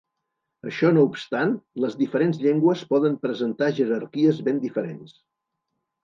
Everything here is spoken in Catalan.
Això no obstant, les diferents llengües poden presentar jerarquies ben diferents.